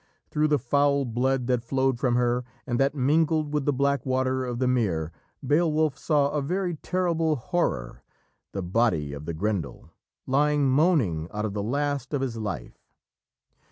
Through the foul blood that flowed from her and that mingled with the black water of the mere, Beowulf saw a very terrible horror the body of the Grendel, lying moaning out the last of his life.